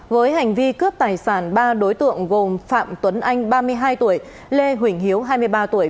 với hành vi cướp tài sản ba đối tượng gồm phạm tuấn anh ba mươi hai tuổi lê huỳnh hiếu hai mươi ba tuổi